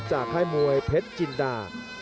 จากไทยมวยเพชรจินดา